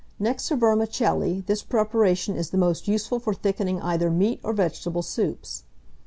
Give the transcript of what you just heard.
Next to vermicelli, this preparation is the most useful for thickening either meat or vegetable soups.